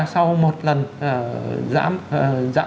sau một lần giãn